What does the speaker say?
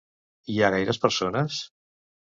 Hi ha gaires persones?